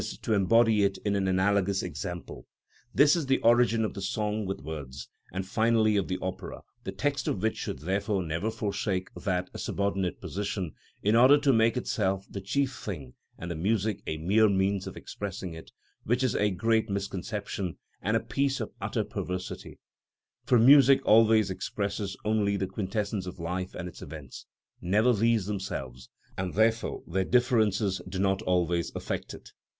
_, to embody it in an analogous example. This is the origin of the song with words, and finally of the opera, the text of which should therefore never forsake that subordinate position in order to make itself the chief thing and the music a mere means of expressing it, which is a great misconception and a piece of utter perversity; for music always expresses only the quintessence of life and its events, never these themselves, and therefore their differences do not always affect it.